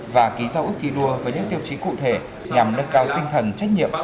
và ký giao ước thi đua với những tiêu chí cụ thể nhằm nâng cao tinh thần trách nhiệm